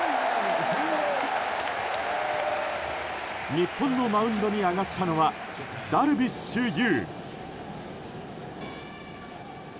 日本のマウンドに上がったのはダルビッシュ有。